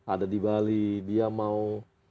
ada di bali dia mau